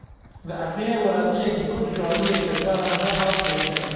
Li Efrînê welatiyekî Kurd ji aliyê çekdaran ve hat girtin.